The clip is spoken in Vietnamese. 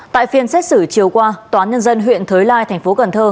tại phiên xét xử chiều qua tòa nhân dân huyện thới lai thành phố cần thơ